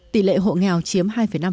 tỷ lệ hộ nghèo chiếm hai năm